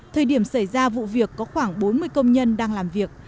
thời điểm xảy ra vụ việc có khoảng bốn mươi công nhân đang làm việc